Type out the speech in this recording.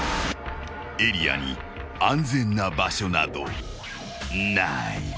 ［エリアに安全な場所などない］